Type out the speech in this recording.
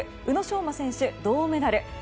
宇野昌磨選手、銅メダル。